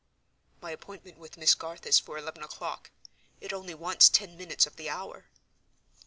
"My appointment with Miss Garth is for eleven o'clock: it only wants ten minutes of the hour."